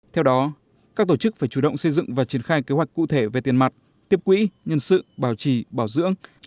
theo đó các tổ chức phải chủ động xây dựng và triển khai kế hoạch cụ thể về tiền mặt tiếp quỹ nhân sự bảo trì bảo dưỡng